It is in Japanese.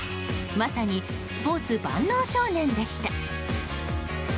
まさにスポーツ万能少年でした。